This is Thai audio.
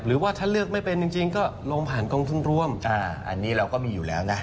หรือว่าถ้าเลือกไม่เป็นจริงก็ลงผ่านกองทุนร่วมอันนี้เราก็มีอยู่แล้วนะ